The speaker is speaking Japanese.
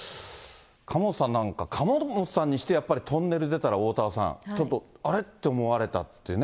釜本さんなんか、釜本さんにしてやっぱりトンネル出たら、おおたわさん、ちょっとあれって思われたってね。